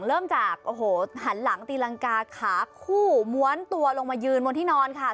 เริ่มจากโอ้โหหันหลังตีรังกาขาคู่ม้วนตัวลงมายืนบนที่นอนค่ะ